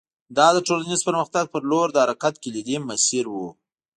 دا د ټولنیز پرمختګ په لور د حرکت کلیدي مسیر و